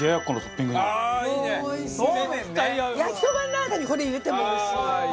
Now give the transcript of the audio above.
焼きそばなんかにこれ入れてもおいしい。